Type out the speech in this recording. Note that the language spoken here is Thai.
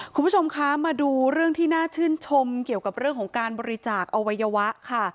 คุณผู้ชมคะมาดูเรื่องที่น่าชื่นชมเกี่ยวกับเรื่องของการบริจาคอวัยวะค่ะ